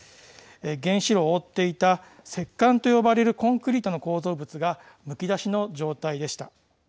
原子炉を覆っていた石棺と呼ばれるコンクリートの構造物がむき出しの状態でした。